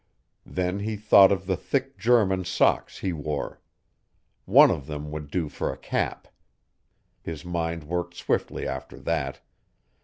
Then he thought of the thick German socks he wore. One of them would do for a cap. His mind worked swiftly after that.